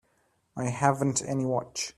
I haven't any watch.